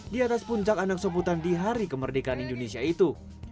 di atas puncak anak soputan di hari kemerdekaan indonesia itu